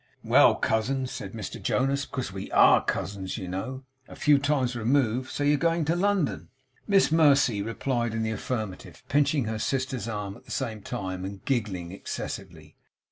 'Well, cousin!' said Mr Jonas 'Because we ARE cousins, you know, a few times removed so you're going to London?' Miss Mercy replied in the affirmative, pinching her sister's arm at the same time, and giggling excessively.